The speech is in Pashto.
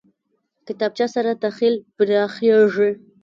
کتابچه سره تخیل پراخېږي